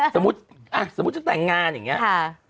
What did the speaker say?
สมมุติจะแต่งงานอย่างเงี้ย